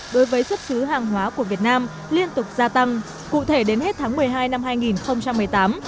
đối với xuất xứ hàng hóa của việt nam liên tục gia tăng cụ thể đến hết tháng một mươi hai năm hai nghìn một mươi tám